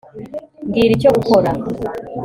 mbwira icyo gukora